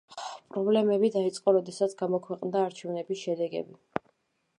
პრობლემები დაიწყო, როდესაც გამოქვეყნდა არჩევნების შედეგები.